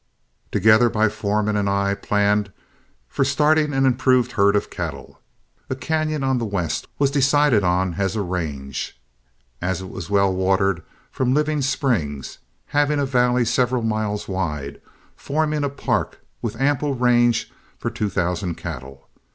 Together my foreman and I planned for starting an improved herd of cattle. A cañon on the west was decided on as a range, as it was well watered from living springs, having a valley several miles wide, forming a park with ample range for two thousand cattle.